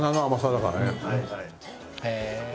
「へえ」